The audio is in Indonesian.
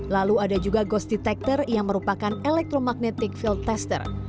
lalu ada juga ghost detector yang merupakan electromagnetic field tester